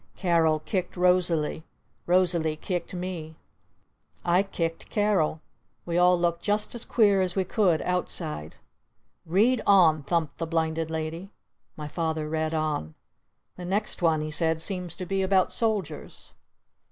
Carol kicked Rosalee. Rosalee kicked me. I kicked Carol. We all looked just as queer as we could outside. "Read on!" thumped the Blinded Lady. My Father read on. "This next one," he said, "seems to be about Soldiers!"